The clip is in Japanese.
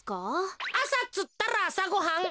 あさっつったらあさごはん。